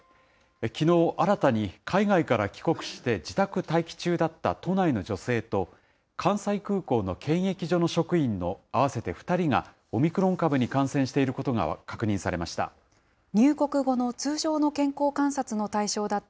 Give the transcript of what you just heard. きのう新たに海外から帰国して自宅待機中だった都内の女性と、関西空港の検疫所の職員の合わせて２人が、オミクロン株に感染していることが確認されました。